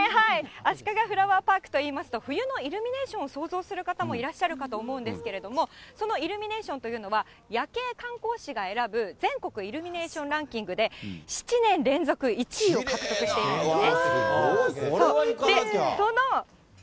あしかがフラワーパークといいますと、冬のイルミネーションを想像する方もいらっしゃるかと思うんですけど、そのイルミネーションというのは、夜景観光士が選ぶ全国イルミネーションランキングで７年連続１位うわー、すごい。